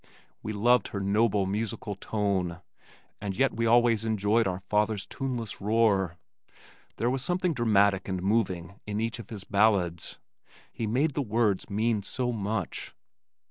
We loved her noble, musical tone, and yet we always enjoyed our father's tuneless roar. There was something dramatic and moving in each of his ballads. He made the words mean so much.